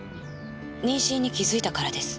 妊娠に気付いたからです。